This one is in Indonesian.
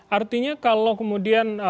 artinya kalau kemudian